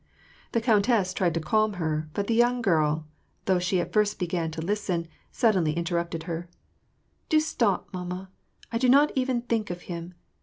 The countess tried to calm her ; but the young girl, though she at first began to listen, suddenly interrupted her, —" Do stop, mamma: I do not even think of him.